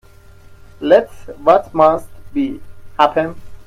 Let what must be, happen.